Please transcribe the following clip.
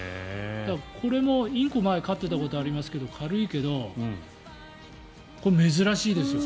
これもインコを前に飼ってたことありますが軽いけどこれ、珍しいですよ。